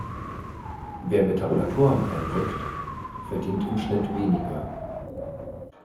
Wer mit Tabulatoren einrückt, verdient im Schnitt weniger.